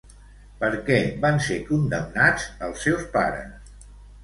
Per què van ser condemnats els seus pares?